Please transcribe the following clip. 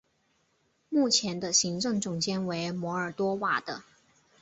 目前的行政总监为摩尔多瓦的。